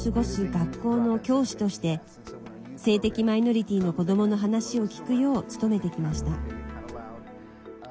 学校の教師として性的マイノリティーの子どもの話を聞くよう、努めてきました。